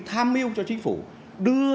tham mưu cho chính phủ đưa